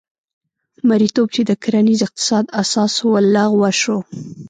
مریتوب چې د کرنیز اقتصاد اساس و لغوه شو.